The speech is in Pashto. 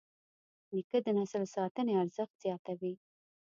نیکه د نسل ساتنې ارزښت یادوي.